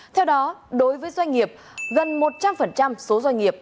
theo đó đối với doanh nghiệp gần một trăm linh số doanh nghiệp